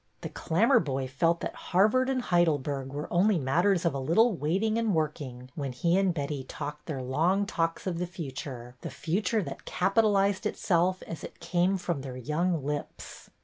The Clammerboy felt that Harvard and Heidel berg were only matters of a little waiting and working when he and Betty talked their long talks of the future, the Future that capitalized itself as it came from their young lips.